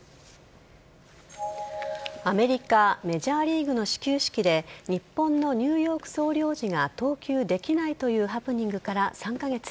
アメリカメジャーリーグの始球式で日本のニューヨーク総領事が投球できないというハプニングから３カ月。